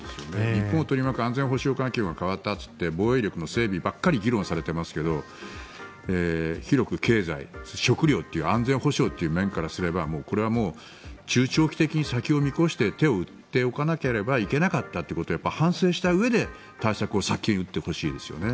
日本を取り巻く安全保障環境が変わったということで防衛力ばかり議論されていますが広く経済、食料という安全保障という面からすればこれはもう中長期的に先を見越して手を打っておかなければいけなかったということを反省したうえで対策を先に打ってほしいですよね。